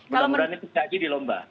mudah mudahan itu terjadi di lomba